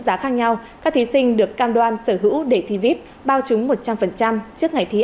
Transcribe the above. giá khác nhau các thí sinh được cam đoan sở hữu để thi vip bao trúng một trăm linh trước ngày thi